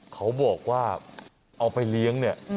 เขาบอกว่าเอาไปเลี้ยงเนี่ย